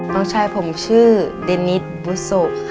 น้องชายผมชื่อเดนิสบุโซค่ะ